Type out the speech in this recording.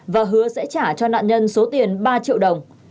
và hứa sẽ trả cho nạn nhân số tiền ba triệu đồng